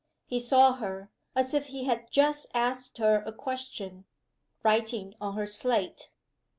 He saw her, as if he had just asked her a question, writing on her slate.